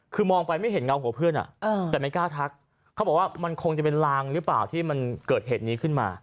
คือมองไปไม่เห็นเงาหัวเพื่อนแต่ไม่กล้าทักเขาบอกว่ามันคงจะเป็นลางหรือเปล่าที่มันเกิดเหตุนี้ขึ้นมา